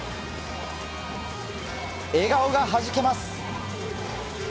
笑顔がはじけます。